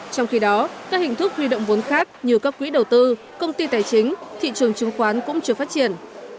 trong khi đó các hình thức huy động vốn khác như các quỹ đầu tư công ty tài chính thị trường chứng khoán cũng chưa phát triển